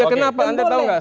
iya kenapa anda tau nggak